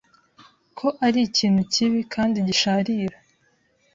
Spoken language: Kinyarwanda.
ko ari ikintu kibi kandi gisharira,